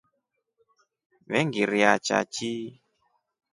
Vengiriachashi.